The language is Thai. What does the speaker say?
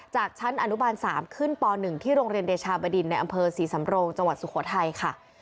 จากชั้นอนุบาล๓ขึ้นป๑ที่โรงเรียนเดชาบดินในอำเภอศรีสำโรงจังหวัดสุโขทัยค่ะ